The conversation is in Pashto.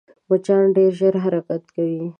مچان ډېر ژر حرکت کوي